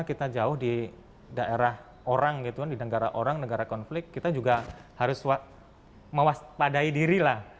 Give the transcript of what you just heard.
kita jauh di daerah orang gitu kan di negara orang negara konflik kita juga harus mewaspadai diri lah